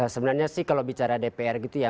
sebenarnya sih kalau bicara dpr gitu ya